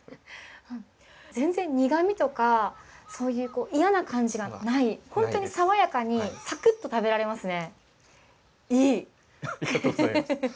全然苦みとか、いやな感じがない本当に、爽やかにサクッと食べられますね。